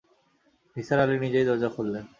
নিসার আলি নিজেই দরজা খুললেন।